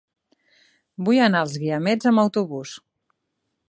Vull anar als Guiamets amb autobús.